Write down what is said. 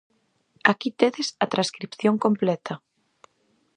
Aquí tedes a transcrición completa: